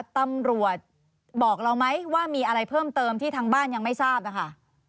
ตำรวจบอกเราไหมว่ามีอะไรเพิ่มเติมที่ทางบ้านยังไม่ทราบนะคะ